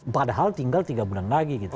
padahal tinggal tiga bulan lagi gitu